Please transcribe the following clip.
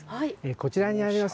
こちらにあります